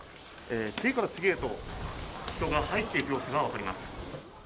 次から次へと人が入っていく様子が分かります。